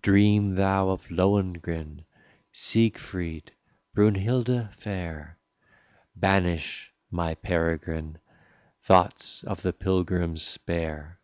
Dream thou of Lohengrin, Siegfried, Brünnhilde fair; Banish, my Peregrine, Thoughts of the Pilgrims spare.